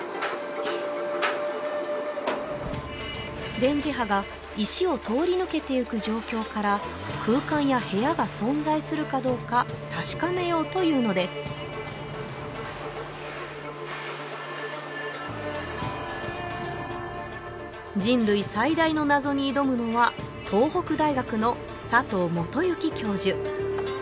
電磁波が石を通り抜けていく状況から空間や部屋が存在するかどうか確かめようというのです人類最大の謎に挑むのは東北大学の佐藤源之教授